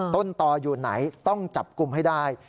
ต้นต่ออยู่ไหนต้องจับกลุ่มให้ได้